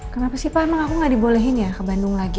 kenapa sih pak emang aku gak dibolehin ya ke bandung lagi